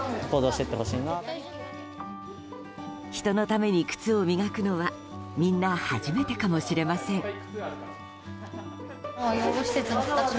人のために靴を磨くのはみんな初めてかもしれません。